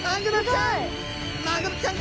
マグロちゃん。